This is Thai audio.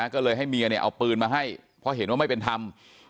ก็เลยให้เมียเอาปืนมาให้เพราะเห็นว่าไม่เป็นธรรม